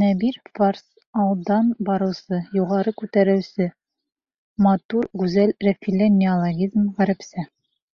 Нәбир фарс. — алдан барыусы; юғары күтәрелеүсе — матур, гүзәл Рафилә неол., ғәр.